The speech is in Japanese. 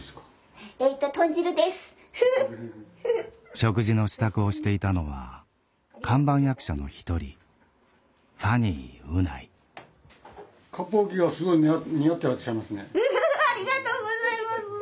食事の支度をしていたのは看板役者の一人風兄宇内。ありがとうございます！